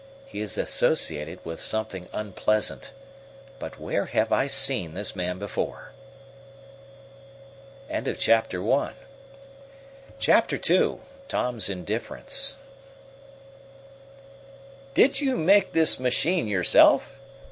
He is associated with something unpleasant. But where have I seen this man before?" Chapter II Tom's Indifference "Did you make this machine yourself?"